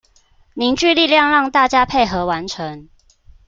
凝聚力量讓大家配合完成